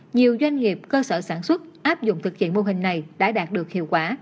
nhiều doanh nghiệp cơ sở sản xuất áp dụng thực hiện mô hình này đã đạt được hiệu quả